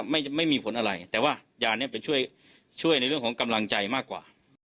ไม่มีผลอะไรแต่ว่ายานี้เป็นช่วยในเรื่องของกำลังใจมากกว่า